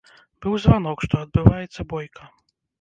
Быў званок, што адбываецца бойка.